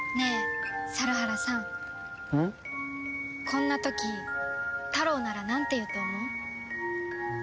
こんな時タロウならなんて言うと思う？